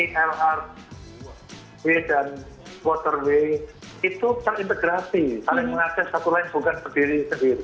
kalian mengakses satu lain bukan sendiri sendiri